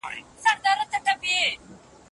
له دې سره سره، ولس د هغه کړنې زغملې.